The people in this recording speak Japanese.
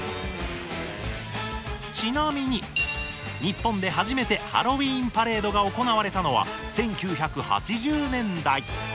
ちなみに日本で初めてハロウィーンパレードが行われたのは１９８０年代。